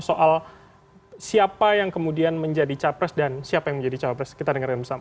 soal siapa yang kemudian menjadi capres dan siapa yang menjadi cawapres kita dengarkan bersama